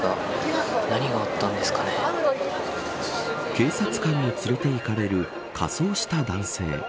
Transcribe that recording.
警察官に連れて行かれる仮装した男性。